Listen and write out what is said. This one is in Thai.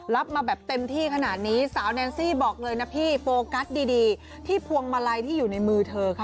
รับมาแบบเต็มที่ขนาดนี้สาวแนนซี่บอกเลยนะพี่โฟกัสดีที่พวงมาลัยที่อยู่ในมือเธอค่ะ